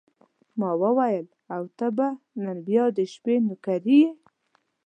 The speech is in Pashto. ما وویل: او ته به نن بیا د شپې نوکري یې.